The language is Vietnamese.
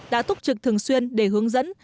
đã túc trực thường xuyên để hướng dẫn